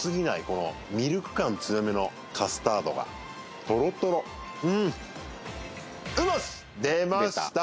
このミルク感強めのカスタードがトロトロうんでました